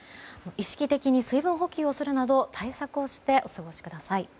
意識的に水分補給をするなど対策をしてお過ごしください。